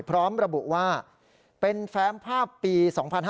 พร้อมระบุว่าเป็นแฟมภาพปี๒๕๕๙